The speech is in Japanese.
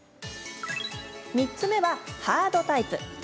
３つ目はハードタイプ。